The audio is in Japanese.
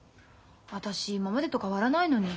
私今までと変わらないのに。